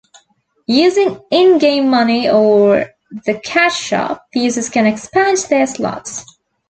Using in-game money or the cash shop, users can expand their slots.